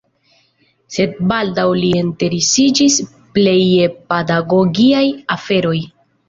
Sed baldaŭ li interesiĝis plej je pedagogiaj aferoj.